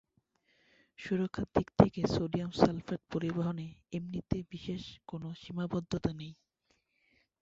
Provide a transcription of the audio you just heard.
সুরক্ষার দিক থেকে সোডিয়াম সালফেট পরিবহনে এমনিতে বিশেষ কোনো সীমাবদ্ধতা নেই।